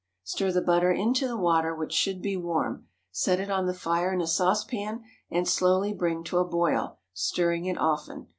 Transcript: Stir the butter into the water, which should be warm, set it on the fire in a saucepan, and slowly bring to a boil, stirring it often.